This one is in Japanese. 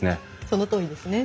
そのとおりですね。